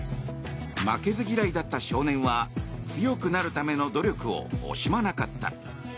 負けず嫌いだった少年は強くなるための努力を惜しまなかった。